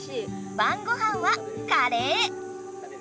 ばんごはんはカレー！